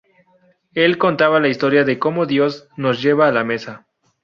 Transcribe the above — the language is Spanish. Él contaba la historia de como Dios nos lleva a la mesa.